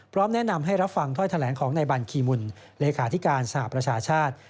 พร้อมแนะนำให้รับฟังถ้อยแถลงของในบัญคีมุนเลขาธิการสหประชาชาติ